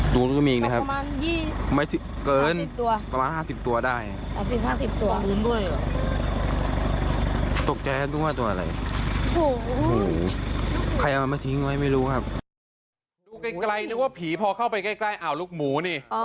ดูนึกว่าผีพอเข้าไปใกล้อ้าวลูกหมูนี่